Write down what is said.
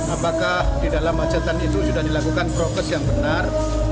apakah di dalam macetan itu sudah dilakukan prokes yang benar